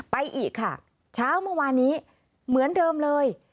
ไปอีกค่ะเช้าเมื่อวานนี้เหมือนเดิมเลย